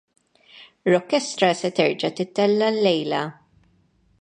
Rockestra se terġa' tittella' llejla.